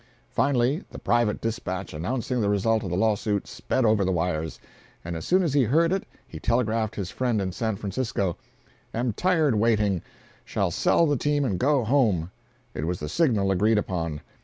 Finally the private dispatch announcing the result of the lawsuit sped over the wires, and as soon as he heard it he telegraphed his friend in San Francisco: "Am tired waiting. Shall sell the team and go home." It was the signal agreed upon.